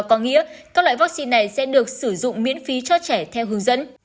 có nghĩa các loại vaccine này sẽ được sử dụng miễn phí cho trẻ theo hướng dẫn